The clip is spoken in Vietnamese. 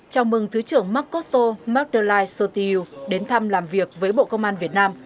chào mừng thứ trưởng makoto madelai sotiriu đến thăm làm việc với bộ công an việt nam